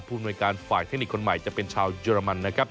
อำนวยการฝ่ายเทคนิคคนใหม่จะเป็นชาวเยอรมันนะครับ